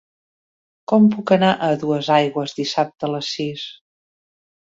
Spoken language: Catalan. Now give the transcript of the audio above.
Com puc anar a Duesaigües dissabte a les sis?